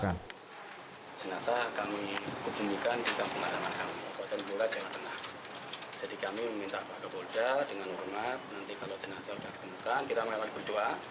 kalau jenazah sudah ditemukan kita melewati berdua